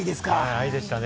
愛でしたね。